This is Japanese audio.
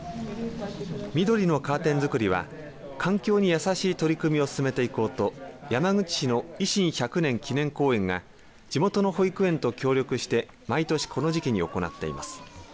緑のカーテンづくりは環境に優しい取り組みを進めていこうと山口市の維新百年記念公園が地元の保育園と協力して毎年この時期に行っています。